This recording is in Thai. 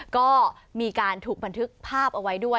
ก็มีการถูกบันทึกภาพเอาไว้ด้วย